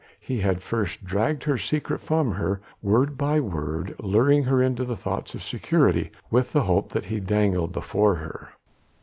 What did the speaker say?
he had first dragged her secret from her, word by word, luring her into thoughts of security with the hope that he dangled before her.